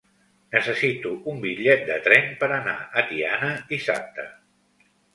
Necessito un bitllet de tren per anar a Tiana dissabte.